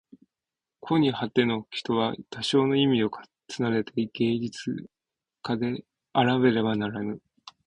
故に凡ての人は多少の意味に於て芸術家であらねばならぬ。